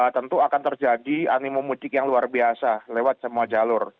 tentu akan terjadi animum mudik yang luar biasa lewat semua jalur